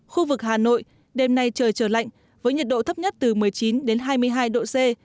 khu vực hà nội đêm nay trời trở lạnh với nhiệt độ thấp nhất từ một mươi chín đến hai mươi hai độ c